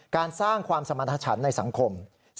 การสร้างความสมรรถฉันในสังคม